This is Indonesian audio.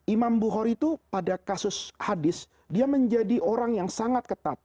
imam bukhori itu pada kasus hadis dia menjadi orang yang sangat ketat